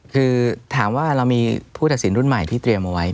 คือถามว่าเรามีผู้ตัดสินรุ่นใหม่ที่เตรียมเอาไว้